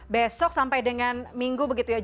besok sampai dengan minggu